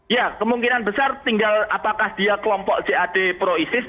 ya kemungkinan besar tinggal apakah dia kelompok jad proisis